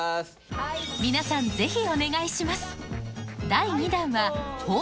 皆さんぜひお願いします